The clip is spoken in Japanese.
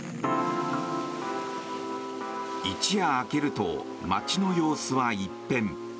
一夜明けると街の様子は一変。